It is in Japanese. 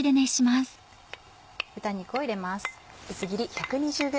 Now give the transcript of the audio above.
豚肉を入れます。